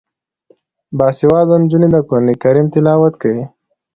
باسواده نجونې د قران کریم تلاوت کوي.